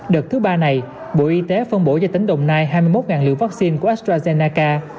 đợt thứ ba này bộ y tế phân bổ cho tỉnh đồng nai hai mươi một liều vaccine của astrazennaca